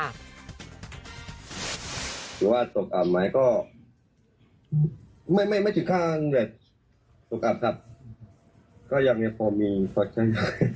หรือว่าตกอับไหมก็ไม่ถึงข้างแต่ตกอับครับก็ยังไม่พอมีเพราะฉะนั้น